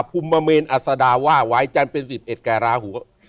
ภุมเมนอสดาว่าวายจันทร์เป็นสิบเอ็ดแก่ราหู